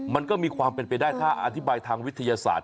มันก็มีความเป็นไปได้ถ้าอธิบายทางวิทยาศาสตร์